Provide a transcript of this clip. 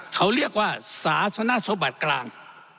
เขาเรียกว่าสาธนสมบัติกลาง